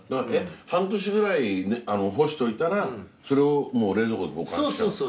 半年くらい干しといたらそれをもう冷蔵庫で保管しちゃう。